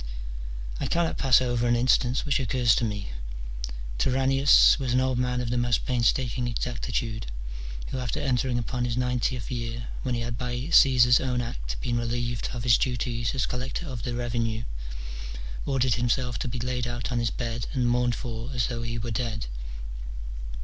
I cannot pass over an an instance which occurs to me : Turannius was an old man of the most painstaking exactitude, who after entering upon his ninetieth year, when he had by Gr. Caesar's own act been relieved of his duties as collector of the revenue, ordered himself to be laid out on his bed and mourned for as though he were dead.